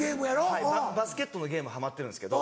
はいバスケットのゲームハマってるんですけど。